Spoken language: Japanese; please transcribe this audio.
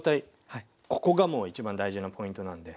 ここがもう一番大事なポイントなんで。